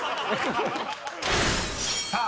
［さあ